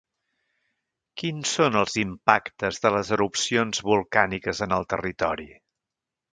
Quins són els impactes de les erupcions volcàniques en el territori?